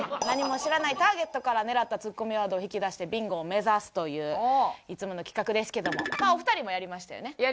何も知らないターゲットから狙ったツッコミワードを引き出してビンゴを目指すといういつもの企画ですけどもお二人もやりましたよね？